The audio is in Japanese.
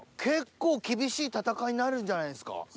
結構厳しい闘いになるんじゃないですか？